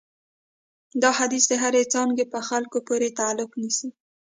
دا حدیث د هرې څانګې په خلکو پورې تعلق نیسي.